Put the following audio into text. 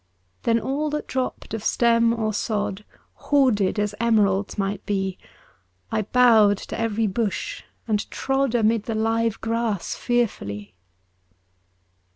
Then all that dropped of stem or sod, Hoarded as emeralds might be, I bowed to every bush, and trod Amid the live grass fearfully.